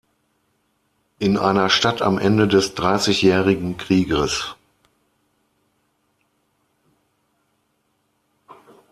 In einer Stadt am Ende des Dreißigjährigen Krieges.